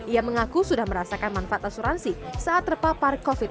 ia mengaku sudah merasakan manfaat asuransi saat terpapar covid sembilan belas